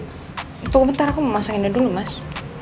tunggu bentar aku mau pasangin dia dulu mas